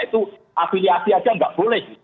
itu afiliasi saja tidak boleh